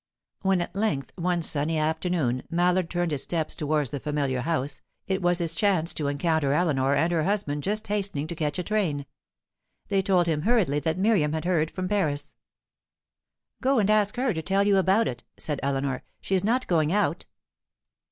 When at length, one sunny afternoon, Mallard turned his steps towards the familiar house, it was his chance to encounter Eleanor and her husband just hastening to catch a train; they told him hurriedly that Miriam had heard from Paris. "Go and ask her to tell you about it," said Eleanor. "She is not going out."